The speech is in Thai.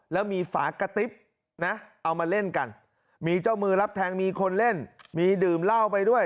แล้วมีฝากระติ๊บนะเอามาเล่นกันมีเจ้ามือรับแทงมีคนเล่นมีดื่มเหล้าไปด้วย